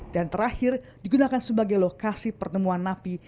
dan terakhir digunakan sebagai lokasi pertemuan napi